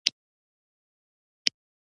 زما خور د غالۍ نقشونه رنګوي.